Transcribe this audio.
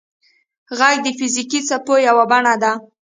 • ږغ د فزیکي څپو یوه بڼه ده.